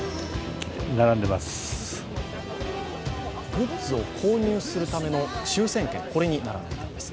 グッズを購入するための抽選券に並んでいたんです。